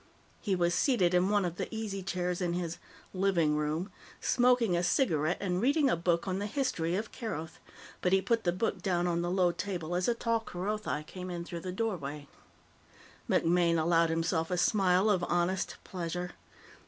He was seated in one of the easy chairs in his "living room," smoking a cigarette and reading a book on the history of Keroth, but he put the book down on the low table as a tall Kerothi came in through the doorway. MacMaine allowed himself a smile of honest pleasure.